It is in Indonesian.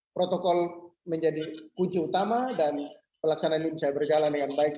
protokol menjadi kunci utama dan pelaksanaan ini bisa berjalan dengan baik